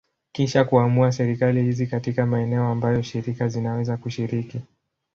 Kisha kuamua serikali hizi katika maeneo ambayo shirika zinaweza kushiriki.